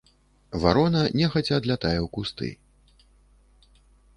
Варона нехаця адлятае ў кусты.